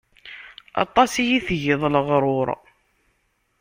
Aṭas i yi-tgiḍ leɣruṛ.